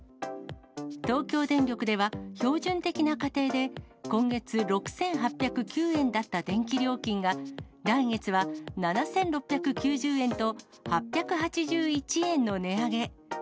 東京電力では、標準的な家庭で、今月６８０９円だった電気料金が、来月は７６９０円と８８１円の値上げ。